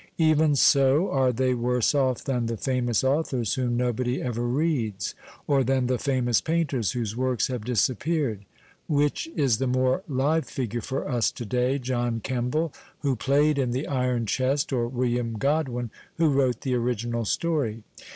Even so, are they worse off than the famous authors whom nobody ever reads ? Or than the famous painters whose works have disappeared ? Which is the more live figure for us to day, John Kemble, who played in the Iron Chest, or William Godwin, who wrote the original story